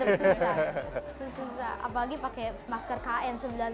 tetep susah apalagi pakai masker kn sembilan puluh lima gitu kan